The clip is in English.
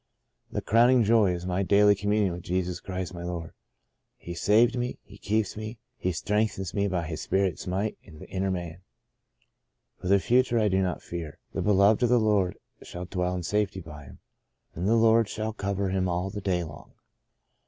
The crowning joy is my daily communion with Jesus Christ my Lord. He saved me, He keeps me, and He strength ens me by His Spirit's might in the inner man. For the future I do not fear. * The beloved of the Lord shall dwell in safety by Him ; and the Lord shall cover him all the day long.'